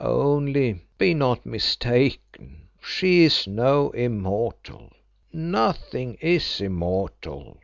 "Only be not mistaken, she is no immortal; nothing is immortal.